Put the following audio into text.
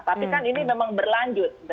tapi kan ini memang berlanjut